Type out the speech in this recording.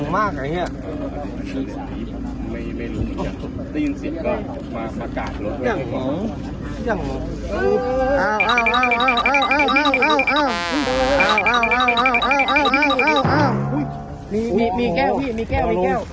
มีแก้วเฮีย